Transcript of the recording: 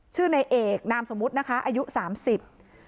ในเอกนามสมมุตินะคะอายุสามสิบ